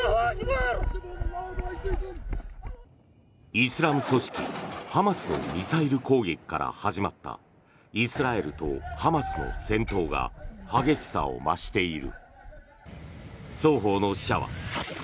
イスラム組織ハマスのミサイル攻撃から始まったイスラエルとハマスの戦闘が激しさを増している。